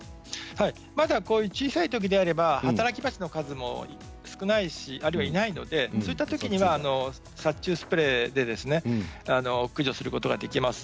まだこういう小さいときであれば働きバチの数も少ないし、あるいはいないのでそういったときには殺虫スプレーで駆除することができます。